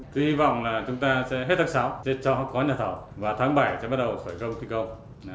tôi hy vọng là chúng ta sẽ hết tháng sáu sẽ cho có nhà thầu và tháng bảy sẽ bắt đầu khởi công thi công